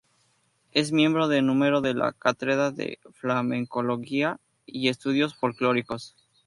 Es miembro de número de la Cátedra de Flamencología y estudios folclóricos.